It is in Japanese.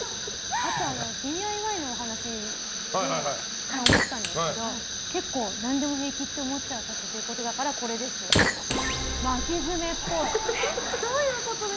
あと、ＤＩＹのお話で思ったんですけど結構、何でも平気って思っちゃうってことだから巻き爪っぽい。